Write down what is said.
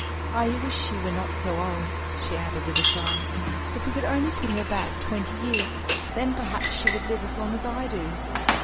"I wish she were not so old," she added with a sigh. "If we could only put her back twenty years! Then, perhaps, she would live as long as I do."